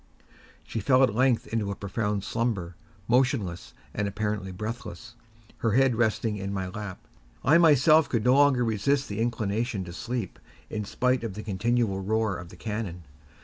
She fell at length into a profound slumber, motionless and apparently breathless, her head resting in my lap. I myself could no longer resist the inclination to sleep, in spite of the continual roar of the cannon.